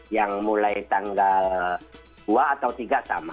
yang mulai tanggal dua atau tiga sama